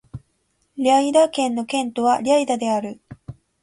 リェイダ県の県都はリェイダである